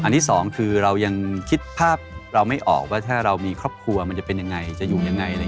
ที่สองคือเรายังคิดภาพเราไม่ออกว่าถ้าเรามีครอบครัวมันจะเป็นยังไงจะอยู่ยังไง